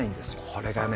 これがね